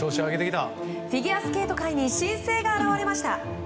フィギュアスケート界に新星が現れました。